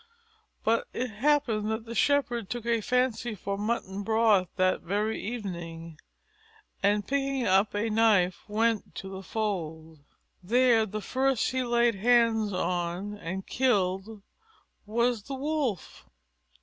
But it happened that the Shepherd took a fancy for mutton broth that very evening, and, picking up a knife, went to the fold. There the first he laid hands on and killed was the Wolf.